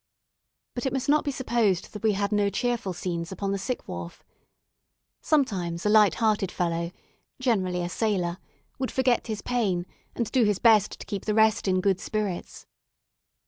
But it must not be supposed that we had no cheerful scenes upon the sick wharf. Sometimes a light hearted fellow generally a sailor would forget his pain, and do his best to keep the rest in good spirits.